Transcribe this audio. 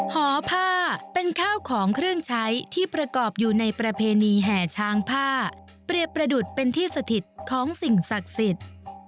หอผ้าเป็นข้าวของเครื่องใช้ที่ประกอบอยู่ในประเพณีแห่ช้างผ้าเปรียบประดุษเป็นที่สถิตของสิ่งศักดิ์สิทธิ์